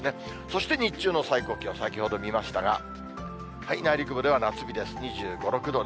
そして日中の最高気温、先ほど見ましたが、内陸部では夏日です、２５、６度。